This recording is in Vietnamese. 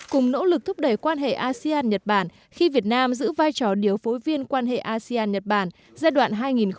cùng nỗ lực thúc đẩy quan hệ asean nhật bản khi việt nam giữ vai trò điều phối viên quan hệ asean nhật bản giai đoạn hai nghìn một mươi tám hai nghìn một mươi tám